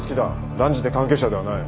断じて関係者ではない。